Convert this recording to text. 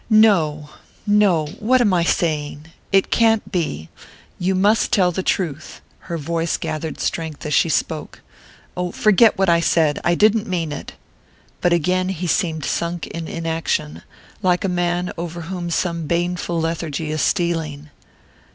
"No no! What am I saying? It can't be you must tell the truth." Her voice gathered strength as she spoke. "Oh, forget what I said I didn't mean it!" But again he seemed sunk in inaction, like a man over whom some baneful lethargy is stealing.